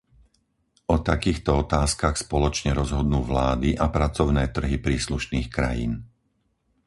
O takýchto otázkach spoločne rozhodnú vlády a pracovné trhy príslušných krajín.